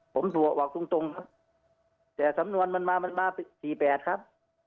ผมตัววอกตรงครับแต่สำนวนมันมามันมาเป็นสี่แปดครับ